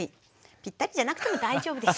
ぴったりじゃなくても大丈夫です。